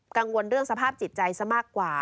กังวลเรื่องสภาพจิตใจซะมากกว่า